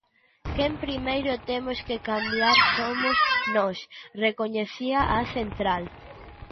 "Quen primeiro temos que cambiar somos nós", recoñecía a central.